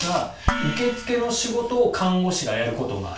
受付の仕事を看護師がやることもある。